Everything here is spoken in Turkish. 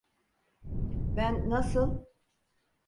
Ben nasıl…